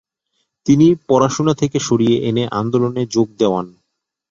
তিনি পড়াশুনা থেকে সরিয়ে এনে আন্দোলনে যোগ দেওয়ান।